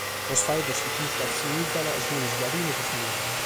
Sos faeddos chi prus dd’assimìgiant sunt su ladinu e su friulanu.